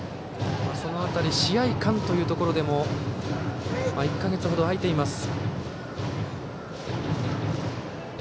その辺り、試合勘というところも１か月ほど空いています。